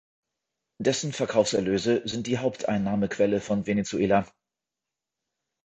Dessen Verkaufserlöse sind die Haupteinnahmequelle von Venezuela.